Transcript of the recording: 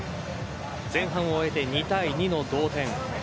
前半を終えて２対２の同点。